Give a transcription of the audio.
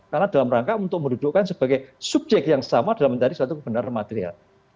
karena dalam rangka untuk mendudukkan sebagai subjek yang sama dalam mencari suatu kebenaran material